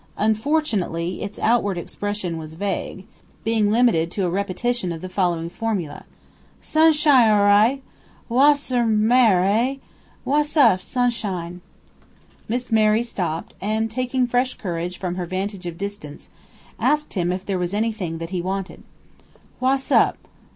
Unfortunately, its outward expression was vague, being limited to a repetition of the following formula "Su'shine all ri'! Wasser maar, eh? Wass up, su'shine?" Miss Mary stopped, and, taking fresh courage from her vantage of distance, asked him if there was anything that he wanted. "Wass up?